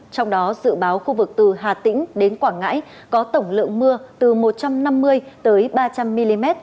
trong đó dự báo khu vực từ hà tĩnh đến quảng ngãi có tổng lượng mưa từ một trăm năm mươi ba trăm linh mm